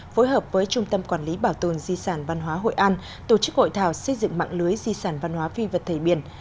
phối hợp với trung tâm quản lý bảo tồn di sản văn hóa hội an tổ chức hội thảo xây dựng mạng lưới di sản văn hóa phi vật thể biển